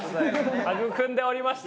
育んでおりました！